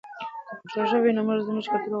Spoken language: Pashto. که پښتو ژبه وي نو زموږ کلتوري غرور نه ماتېږي.